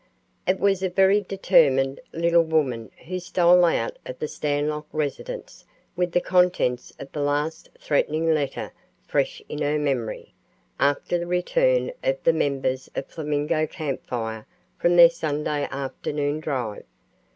It was a very determined little woman who stole out of the Stanlock residence, with the contents of the last threatening letter fresh in her memory, after the return of the members of Flamingo Camp Fire from their Sunday afternoon drive.